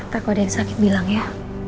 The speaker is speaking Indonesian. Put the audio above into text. takut ada yang sakit bilang ya